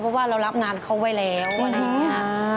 เพราะว่าเรารับงานเขาไว้แล้วอะไรอย่างนี้